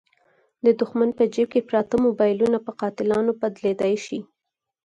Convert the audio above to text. د دوښمن په جیب کې پراته موبایلونه په قاتلانو بدلېدلای شي.